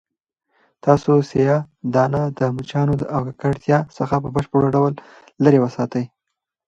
تاسو سیاه دانه د مچانو او ککړتیا څخه په بشپړ ډول لیرې وساتئ.